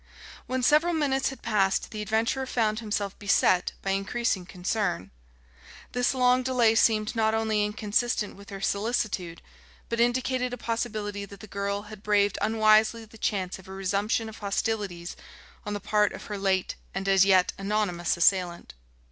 When several minutes had passed the adventurer found himself beset by increasing concern. This long delay seemed not only inconsistent with her solicitude, but indicated a possibility that the girl had braved unwisely the chance of a resumption of hostilities on the part of her late and as yet anonymous assailant.